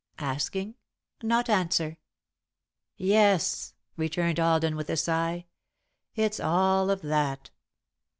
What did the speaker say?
Asking, not answer." "Yes," returned Alden, with a sigh, "it's all of that.